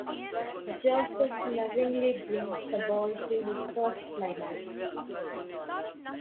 Josif lovingly brings the boy to his first climax.